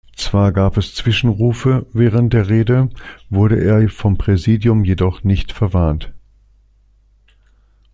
Zwar gab es Zwischenrufe während der Rede wurde er vom Präsidium jedoch nicht verwarnt.